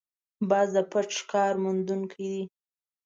باز د پټ ښکار موندونکی دی